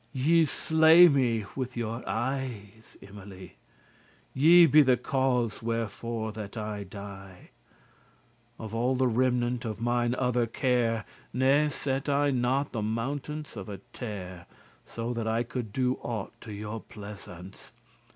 <31> Ye slay me with your eyen, Emily; Ye be the cause wherefore that I die. Of all the remnant of mine other care Ne set I not the *mountance of a tare*, *value of a straw* So that I could do aught to your pleasance."